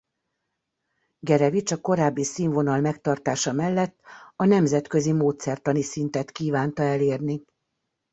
Gerevich a korábbi színvonal megtartása mellett a nemzetközi módszertani szintet kívánta elérni.